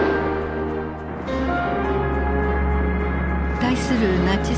対するナチス